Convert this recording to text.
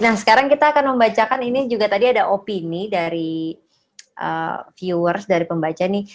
nah sekarang kita akan membacakan ini juga tadi ada opini dari viewers dari pembaca nih